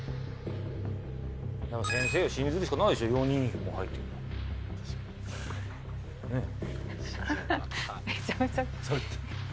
先生を信じるしかないでしょ４人も入ってるんだからねえ